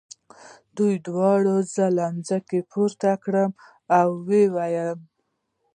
دوی دواړو زه له مځکې پورته کړم او ویې ویل.